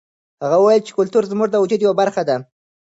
هغه وویل چې کلتور زموږ د وجود برخه ده.